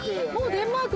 デンマーク